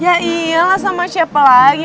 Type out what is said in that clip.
ya iyalah sama siapa lagi